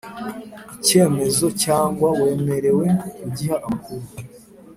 icyemezo cyangwa wemerewe kugiha amakuru